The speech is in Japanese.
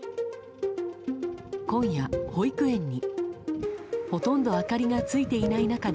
今夜、保育園に。